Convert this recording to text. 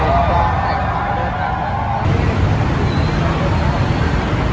โปรดติดตามตอนต่อไป